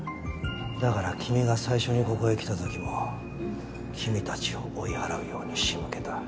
だから君が最初にここへ来た時も君たちを追い払うように仕向けた。